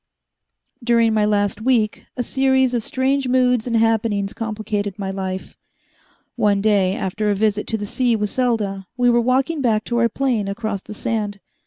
During my last week, a series of strange moods and happenings complicated my life. One day, after a visit to the sea with Selda, we were walking back to our plane across the sand.